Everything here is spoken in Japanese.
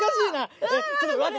ちょっと待って。